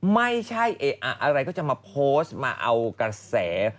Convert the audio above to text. ไม่ใช่อะไรก็จะมาโพสต์มาเอากระแส